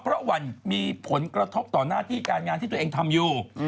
เพราะหวั่นมีผลกระทบต่อหน้าที่การงานที่ตัวเองทำอยู่